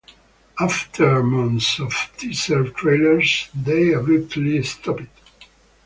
After months of teaser trailers, they abruptly stopped.